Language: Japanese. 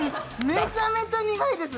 めちゃくちゃ苦いです。